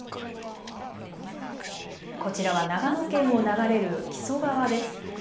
こちらは長野県を流れる木曽川です。